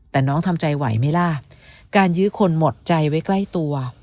แต่น้องทำใจไหวไหมล่ะการยื้อคนหมดใจไว้ใกล้ตัว